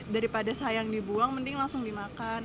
daripada sayang dibuang mending langsung dimakan